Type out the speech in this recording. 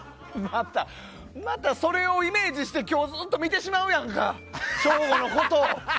また、それをイメージして今日、ずっと見てしまうやんか省吾のことを。